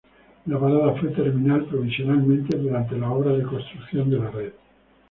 La parada fue terminal provisionalmente durante las obras de construcción de la red.